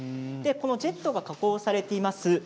このジェットが加工されています